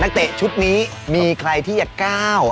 เตะชุดนี้มีใครที่จะก้าว